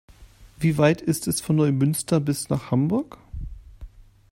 Wie weit ist es von Neumünster bis nach Hamburg?